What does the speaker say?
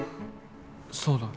そうだ。